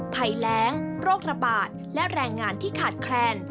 ภัยแรงโรคระบาดและแรงงานที่ขาดแคลน